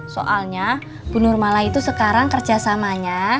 soalnya bu nurmala itu sekarang kerjasamanya